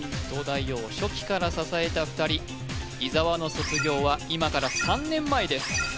東大王初期から支えた２人伊沢の卒業は今から３年前です